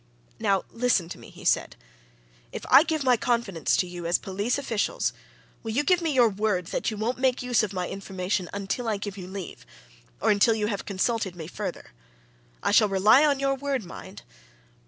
"Now, listen to me!" he said. "If I give my confidence to you, as police officials, will you give me your word that you won't make use of my information until I give you leave or until you have consulted me further? I shall rely on your word, mind!"